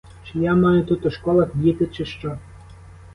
Чи я маю тут у школах діти, чи що?